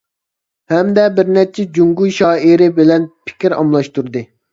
ھەمدە بىر نەچچە جۇڭگو شائىرى بىلەن پىكىر ئالماشتۇردى.